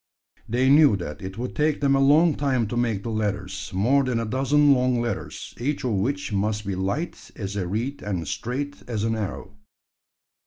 They knew that it would take them a long time to make the ladders more than a dozen long ladders each of which must be light as a reed and straight as an arrow.